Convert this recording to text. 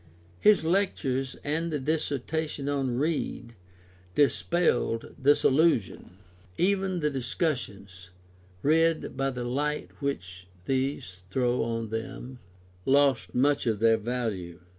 His Lectures and the Dissertations on Reid dispelled this illusion: and even the Discussions, read by the light which these throw on them, lost much of their value.